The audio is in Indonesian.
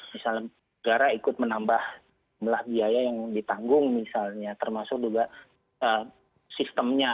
sebenarnya ikut menambah belah biaya yang ditanggung misalnya termasuk juga sistemnya